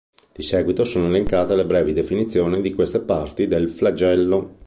Di seguito sono elencate le brevi definizioni di queste parti del "flagello".